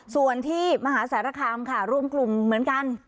ส่วนที่มหาสารคามค่ะรวมกลุ่มเหมือนกัน